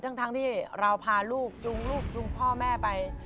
ทั้งที่เราพาลูกจูงลูกจูงพ่อแม่ไป